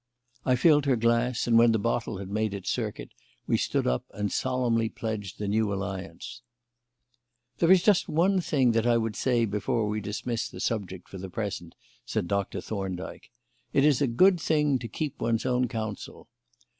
I filled her glass, and, when the bottle had made its circuit, we stood up and solemnly pledged the new alliance. "There is just one thing that I would say before we dismiss the subject for the present," said Thorndyke. "It is a good thing to keep one's own counsel.